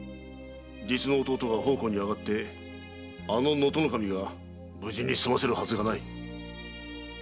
実の弟が奉公に上がってあの能登守が無事に済ませるはずがない。